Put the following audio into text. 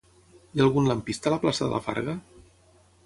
Hi ha algun lampista a la plaça de la Farga?